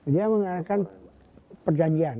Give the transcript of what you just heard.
dia mengadakan perjanjian